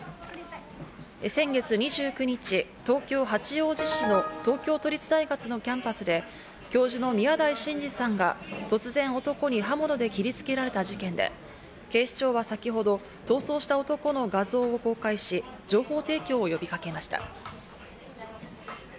先月２９日、東京・八王子市の東京都立大学のキャンパスで教授の宮台真司二さんが、突然男に刃物で切りつけられた事件で、警視庁は先ほど逃走した男の画像を公開し、情報提供を呼びかけました。